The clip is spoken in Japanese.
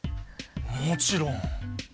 もちろん！